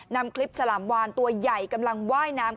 นำคลิปฉลามวานตัวใหญ่กำลังว่ายน้ำ